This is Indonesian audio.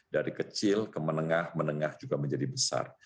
dari kecil ke menengah menengah juga menjadi besar